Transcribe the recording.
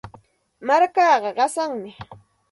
Markaata qasanmi.